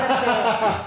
ハハハハハ！